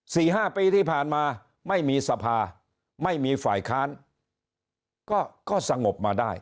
สี่ห้าปีที่ผ่านมาไม่มีสภาไม่มีฝ่ายค้านก็ก็สงบมาได้